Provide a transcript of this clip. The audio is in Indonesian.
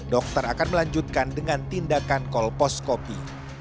dokter akan melanjutkan dengan tindakan kolposcopy